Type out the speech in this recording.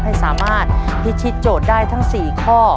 ให้สามารถพิชิตโจทย์ได้ทั้ง๔ข้อ